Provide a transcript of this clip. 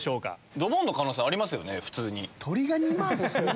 ドボンの可能性ありますよね。